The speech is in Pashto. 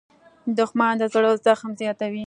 دښمن د زړه زخم زیاتوي